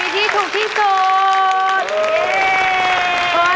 ถูกกว่า